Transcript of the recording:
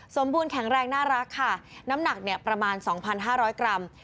สมบูรณ์แข็งแรงน่ารักค่ะน้ำหนักเนี้ยประมาณสองพันห้าร้อยกรัม